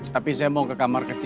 tapi saya mau ke kamar kecil